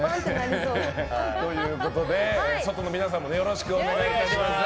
外の皆さんもよろしくお願いします。